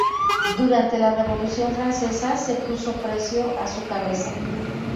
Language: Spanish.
Durante la Revolución francesa, se puso precio a su cabeza.